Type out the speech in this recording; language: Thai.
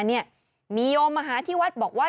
มีโยมมาหาที่วัดบอกว่า